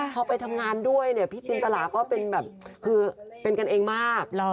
พอไปทำงานด้วยเนี่ยพี่จินตราก็เป็นแบบคือเป็นกันเองมาก